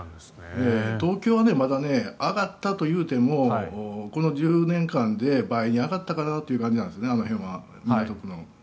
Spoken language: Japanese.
東京はまだ上がったといってもこの１０年間で倍に上がったかなという感じなんですね、あの辺は港区の。